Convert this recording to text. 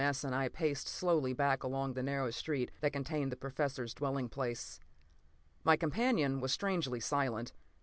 S. and I paced slowly back along the narrow street that contained the Professor's dwelling place. My companion was strangely silent.